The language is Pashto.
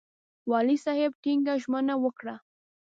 والي صاحب ټینګه ژمنه وکړه.